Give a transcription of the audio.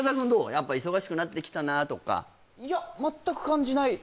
やっぱ忙しくなってきたなとか感じない？